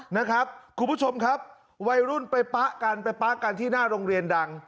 นะครับคุณผู้ชมครับวัยรุ่นไปปะกันไปป๊ะกันที่หน้าโรงเรียนดัง